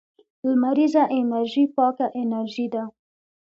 لمریزه انرژي پاکه انرژي ده